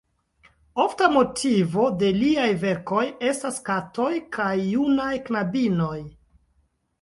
Ofta motivo de liaj verkoj estas katoj kaj junaj knabinoj.